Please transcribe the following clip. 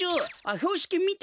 ひょうしきみて！